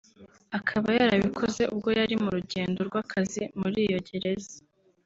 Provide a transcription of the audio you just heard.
akaba yarabikoze ubwo yari mu rugendo rw’akazi muri iyo gereza